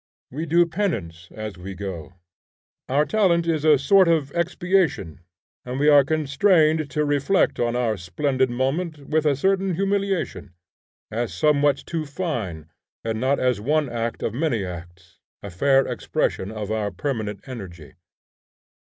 We do penance as we go. Our talent is a sort of expiation, and we are constrained to reflect on our splendid moment with a certain humiliation, as somewhat too fine, and not as one act of many acts, a fair expression of our permanent energy.